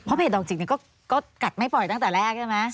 เพจดอกจิกเนี่ยก็กัดไม่ปล่อยตั้งแต่แรกใช่ไหม